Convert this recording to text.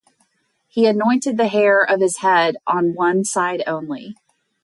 He anointed the hair of his head on one side only.